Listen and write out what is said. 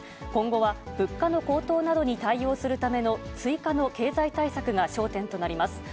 今後は物価の高騰などに対応するための追加の経済対策が焦点となります。